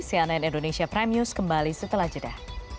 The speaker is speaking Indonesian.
cnn indonesia prime news kembali setelah jeda